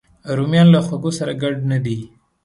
رومیان له خوږو سره ګډ نه دي